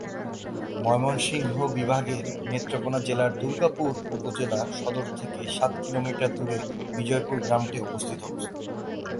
ময়মনসিংহ বিভাগের নেত্রকোণা জেলার দুর্গাপুর উপজেলা সদর থেকে সাত কিলোমিটার দূরে বিজয়পুর গ্রামটি অবস্থিত।